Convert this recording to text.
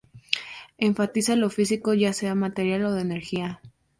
Enfatiza lo físico, ya sea materia o energía.